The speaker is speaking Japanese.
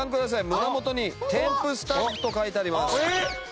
胸元に「テンプスタッフ」と書いてあります。